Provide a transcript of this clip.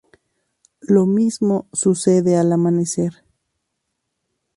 Lo mismo sucede al amanecer.